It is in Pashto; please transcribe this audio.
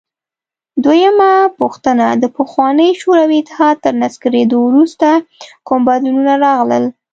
دویمه پوښتنه: د پخواني شوروي اتحاد تر نسکورېدو وروسته کوم بدلونونه راغلل؟